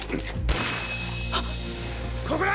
ここだ！！